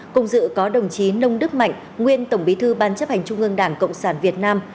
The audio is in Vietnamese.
cùng dự có đồng chí nông đức mạnh nguyên tổng bí thư ban chấp hành trung ương đảng cộng sản việt nam